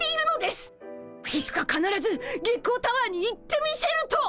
いつかかならず月光タワーに行ってみせると！